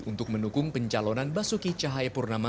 untuk mendukung pencalonan basuki cahaya purnama